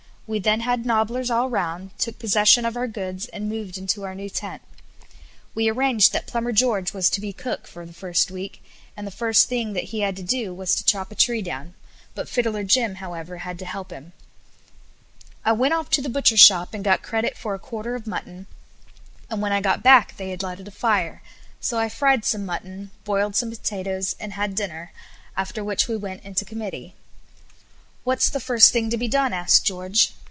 We then had nobblers all round, took possession of our goods, and moved into our new tent. We arranged that Plumber George was to be cook for the first week, and the first thing that he had to do was to chop a tree down, but Fiddler Jim, however, had to help him. I went off to the butcher's shop, and got credit for a quarter of mutton; and when I got back they had lighted a fire, so I fried some mutton, boiled some potatoes, and had dinner; after which we went into committee. "What's the first thing to be done?" asked George.